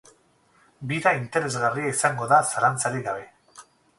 Bira interesgarria izango da, zalanztarik gabe.